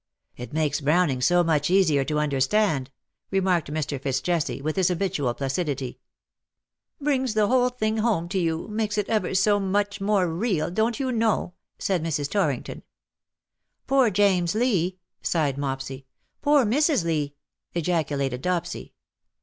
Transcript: '^ It makes Browning so much easier to under stand/' remarked Mr. FitzJesse, with his habitual placidity. 126 " I WILL HAVE NO MERCY ON HIM." ^^ Brings the whole thing home to you — makes it ever so much more real, don't you know/' said Mrs. Torrington. ^^ Poor James Lee V sighed Mopsy. "Poor Mrs. Lee!" ejaculated Dopsy.